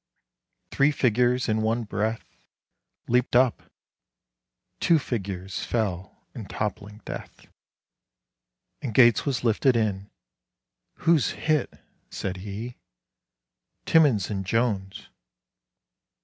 Three figures in one breath Leaped up. Two figures fell in toppling death; And Gates was lifted in. "Who's hit?" said he. "Timmins and Jones."